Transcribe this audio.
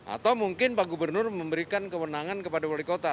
atau mungkin pak gubernur memberikan kewenangan kepada wali kota